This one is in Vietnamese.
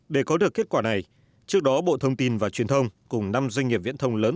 để có được kết quả này trước đó bộ thông tin và truyền thông cùng năm doanh nghiệp viễn thông lớn